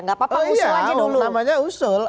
gak papa usul aja dulu